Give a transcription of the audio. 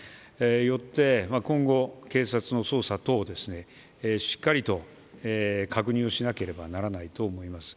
よって今後、警察の捜査等をしっかりと確認をしなければならないと思います。